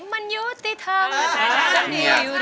มันยุติธรรม